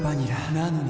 なのに．．．